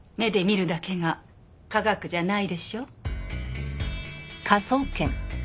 目で見るだけが科学じゃない。